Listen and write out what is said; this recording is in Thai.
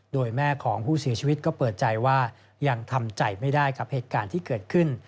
โดยแม่ของผู้เสียชีวิตก็เปิดใจว่ายังทำใจไม่ได้กับเหตุการณ์ที่เกิดขึ้น